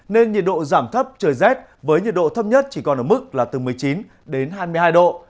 nên nhiệt độ giảm thấp trời rét với nhiệt độ thấp nhất chỉ còn ở mức là từ một mươi chín đến hai mươi hai độ